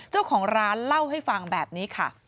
เจ้าของร้านเล่าให้ฟังแบบนี้ค่ะ